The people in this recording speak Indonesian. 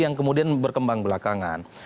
yang kemudian berkembang belakangan